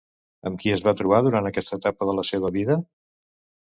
Amb qui es va trobar durant aquesta etapa de la seva vida?